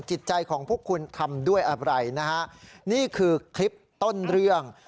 จิตใจของพวกคุณทำด้วยอะไรนะฮะนี่คือคลิปต้นเรื่อง